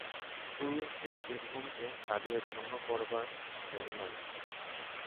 পুরুষ যে ত্রিভুবনকে কাঁদিয়ে ধন্য করবার জন্যেই।